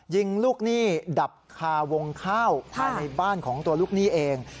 ยิงลูกหนี้ดับคาวงข้าวภายในบ้านของตัวลูกหนี้เอง